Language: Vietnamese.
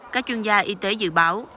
các chuyên gia y tế dự báo